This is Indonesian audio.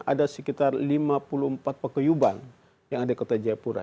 ada sekitar lima puluh empat pekeyuban yang ada di kota jayapura